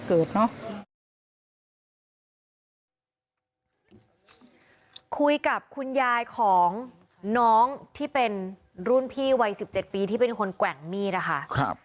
คุยกับคุณยายของน้องที่เป็นรุ่นพี่วัยสิบเจ็ดปีที่เป็นคนแกว่งมีดนะคะครับ